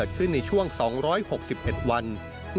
การพบกันในวันนี้ปิดท้ายด้วยการร่วมรับประทานอาหารค่ำร่วมกัน